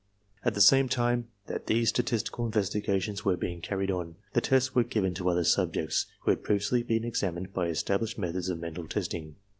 At the same time that these statistical investigations were being carried on, the tests were given to other subjects who had previously been examined by established methods of mental testing.